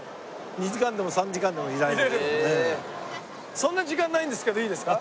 そんな時間ないんですけどいいですか？